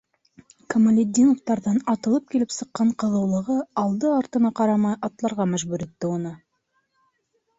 Камалетдиновтарҙан атылып килеп сыҡҡан ҡыҙыулығы алды- артына ҡарамай атларға мәжбүр итте уны.